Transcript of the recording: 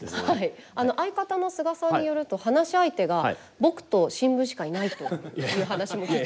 相方の菅さんによると話し相手が僕と新聞しかいないという話も聞いたんですけど。